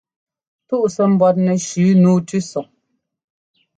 Túꞌ sɛ́ ḿbɔ́tnɛ shʉ́ nǔu tʉ́sɔŋ.